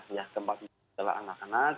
ya keempatnya adalah anak anak